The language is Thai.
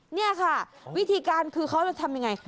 เนี่ยค่ะวิธีการที่เค้ามันทำได้โยงไง